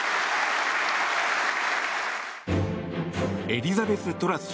エリザベス・トラス